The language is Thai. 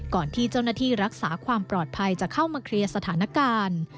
ก่อนที่เจ้าหน้าที่รักษาความปลอดภัยจะเข้ามาเคลียร์สถานการณ์